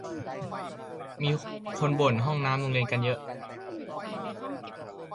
มีคนบ่นห้องน้ำโรงเรียนกันเยอะ